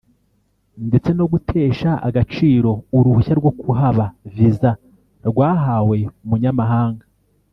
ndetse no gutesha agaciro uruhushya rwo kuhaba (Visa) rwahawe umunyamahanga